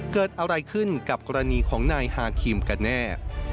เกิดอะไรขึ้นกับกรณีของนายฮาคิมกันแน่